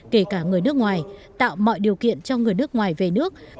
kể cả người nước ngoài tạo mọi điều kiện cho người nước ngoài về nước